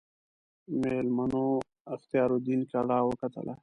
میلمنو اختیاردین کلا وکتله.